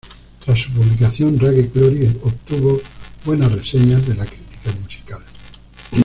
Tras su publicación, "Ragged Glory" obtuvo buenas reseñas de la crítica musical.